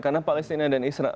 tidak hanya palestina israel